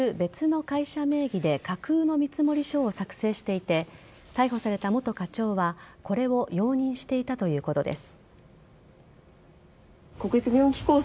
小松電器は実在する別の会社名義で架空の見積書を作成していて逮捕された元課長はこれを容認していたということです。